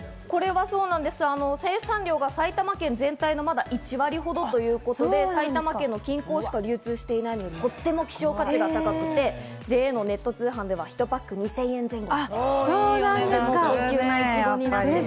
生産量が埼玉県全体のまだ１割ほどということで、埼玉県の近郊しか流通してない、とっても希少価値が高くて、ＪＡのネット通販では１パック２０００円前後。